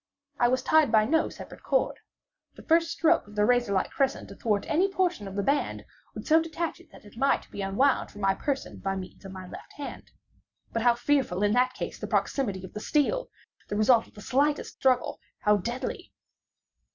I was tied by no separate cord. The first stroke of the razorlike crescent athwart any portion of the band, would so detach it that it might be unwound from my person by means of my left hand. But how fearful, in that case, the proximity of the steel! The result of the slightest struggle how deadly!